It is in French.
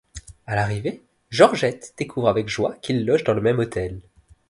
À l'arrivée, Georgette découvre avec joie qu'ils logent dans le même hôtel.